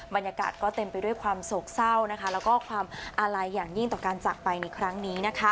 บรรยากาศก็เต็มไปด้วยความโศกเศร้านะคะแล้วก็ความอาลัยอย่างยิ่งต่อการจากไปในครั้งนี้นะคะ